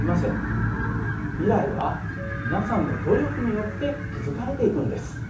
未来は皆さんの努力によって築かれていくんです。